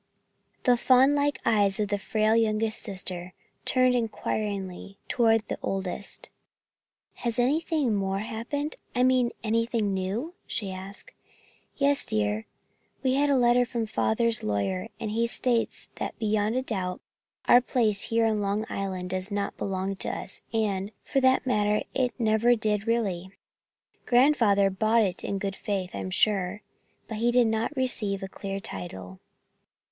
The fawn like eyes of the frail, youngest sister turned inquiringly toward the oldest. "Has anything more happened, I mean, anything new?" she asked. "Yes, dear, we had a letter from Father's lawyer and he states than beyond a doubt our place here on Long Island does not belong to us and, for that matter, it never did really. Grandfather bought it in good faith, I am sure, but he did not receive a clear title."